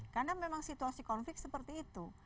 karena memang situasi konflik seperti itu